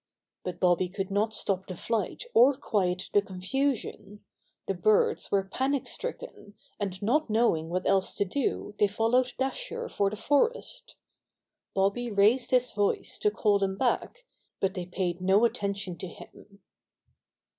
But Bobby could not stop the flight or quiet the confusion. The birds were panic stricken, and not knowing what else to do they followed Dasher for the forest. Bobby raised his voice to call them back, but they paid no attention to him.